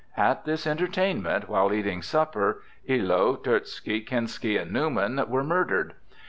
At this entertainment, while eating supper, Illo, Terzky, Kinsky and Newman, were murdered.